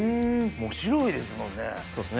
もう白いですもんね。